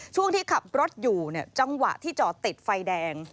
ช่วงที่ขับรถอยู่จังหวะที่จอดติดไฟแดง